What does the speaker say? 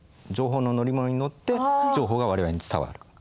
情報の乗り物に乗って情報が我々に伝わる。